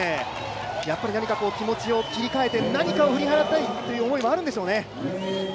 何か気持ちを切り替えて何かを振り払いたいという思いもあるんでしょうかね。